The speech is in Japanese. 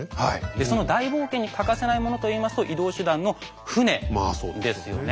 でその大冒険に欠かせないものといいますと移動手段の船ですよね。